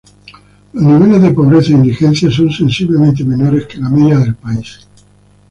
Los niveles de pobreza e indigencia son sensiblemente menores que la media del país.